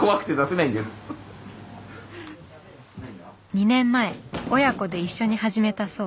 ２年前親子で一緒に始めたそう。